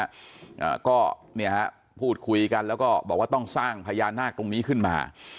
อ่าก็เนี่ยฮะพูดคุยกันแล้วก็บอกว่าต้องสร้างพญานาคตรงนี้ขึ้นมา